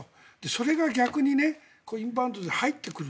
それが逆にインバウンドで入ってくる。